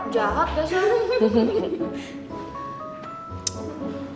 jahat deh seru